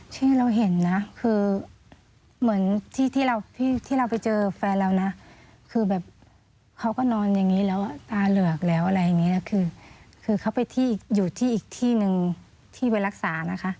ที่เราเห็นนะคือเหมือนที่เราที่เราไปเจอแฟนเรานะคือแบบเขาก็นอนอย่างนี้แล้วตาเหลือกแล้วอะไรอย่างนี้นะคือเขาไปที่อยู่ที่อีกที่หนึ่งที่ไปรักษานะคะ